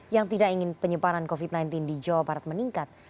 yang tidak ingin penyebaran covid sembilan belas di jawa barat meningkat